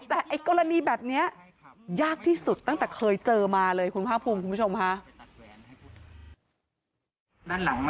แต่ไอ้กรณีแบบนี้ยากที่สุดตั้งแต่เคยเจอมาเลยคุณภาคภูมิคุณผู้ชมค่ะ